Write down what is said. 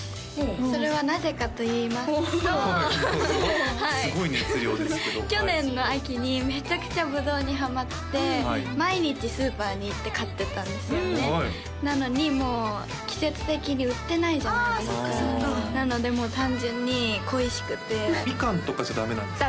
それはなぜかといいますとすごい熱量ですけどはい去年の秋にめちゃくちゃブドウにはまって毎日スーパーに行って買ってたんですよねなのにもう季節的に売ってないじゃないですかなのでもう単純に恋しくてミカンとかじゃダメなんですか？